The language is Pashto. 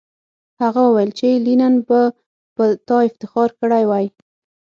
هغه وویل چې لینن به په تا افتخار کړی وای